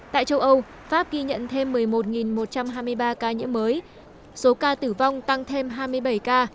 tại châu âu pháp ghi nhận thêm một mươi một một trăm hai mươi ba ca nhiễm mới số ca tử vong tăng thêm hai mươi bảy ca